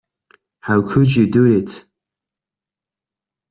How could you do it?